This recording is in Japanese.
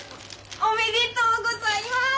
おめでとうございます！